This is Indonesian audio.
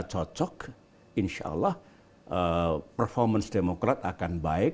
untuk rakyat merasa cocok insya allah performance demokrat akan baik